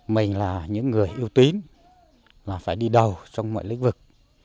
mình là những người yêu tín là phải đi đầu trong mọi lĩnh vực